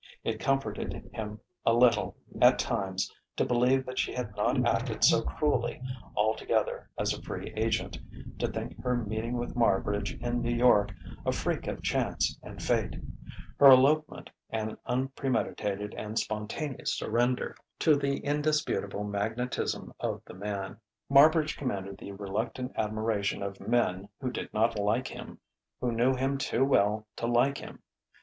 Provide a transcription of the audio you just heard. It comforted him a little, at times, to believe that she had not acted so cruelly altogether as a free agent, to think her meeting with Marbridge in New York a freak of chance and fate, her elopement an unpremeditated and spontaneous surrender to the indisputable magnetism of the man. Marbridge commanded the reluctant admiration of men who did not like him who knew him too well to like him.